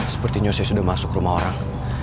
sepertinya saya sudah masuk rumah orang